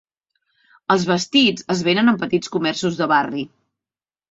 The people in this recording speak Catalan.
Els vestits es venen en petits comerços de barri.